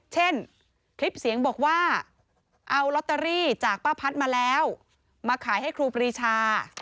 เช่นคลิปเสียงบอกว่าเอาลอตเตอรี่จากป้าพัดมาแล้วมาขายให้ครูปรีชา